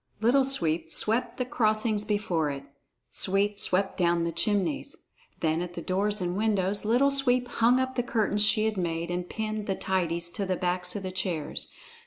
Little Sweep swept the crossings before it; Sweep swept down the chimneys. Then at the doors and windows Little Sweep hung up the curtains she had made, and pinned the tidies to the backs of the chairs.